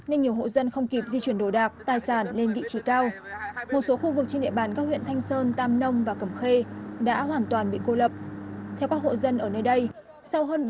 nên nhiều hộ dân không kịp di chuyển đồ đạc tài sản lên vị trí cao